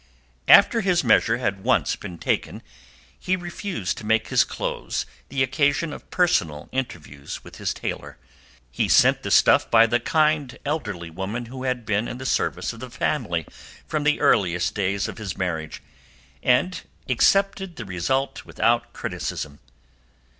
After his measure had once been taken he refused to make his clothes the occasion of personal interviews with his tailor; he sent the stuff by the kind elderly woman who had been in the service of the family from the earliest days of his marriage, and accepted the result without criticism.